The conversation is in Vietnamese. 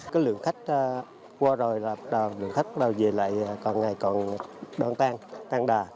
cái lượng khách qua rồi là lượng khách về lại còn ngày còn đoan tan tan đà